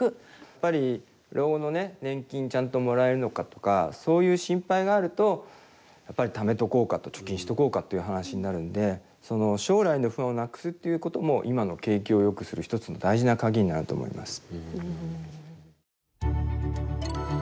やっぱり老後のね年金ちゃんともらえるのかとかそういう心配があるとやっぱりためとこうかと貯金しとこうかっていう話になるんでその将来の不安をなくすっていうことも今の景気をよくする一つの大事な鍵になると思います。